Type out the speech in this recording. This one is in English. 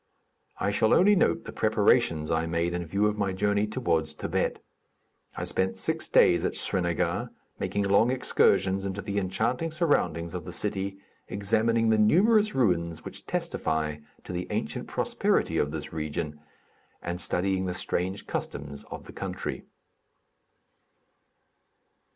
I shall only note the preparations I made in view of my journey toward Thibet. I spent six days at Srinagar, making long excursions into the enchanting surroundings of the city, examining the numerous ruins which testify to the ancient prosperity of this region, and studying the strange customs of the country.